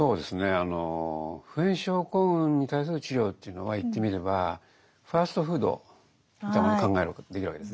あの普遍症候群に対する治療というのは言ってみればファストフードみたいなものを考えることができるわけです。